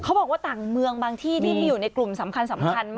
เขาบอกว่าต่างเมืองบางที่ที่มีอยู่ในกลุ่มสำคัญ